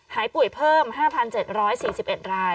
หายป่วยเพิ่ม๕๗๔๑ราย